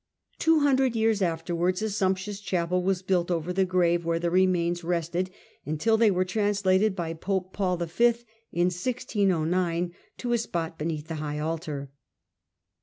Two hundred years afterwards a sumptuous chapel was built over the grave, where the remains rested until they were translated by pope Paul V., in 1609, to a spot beneath the high altar.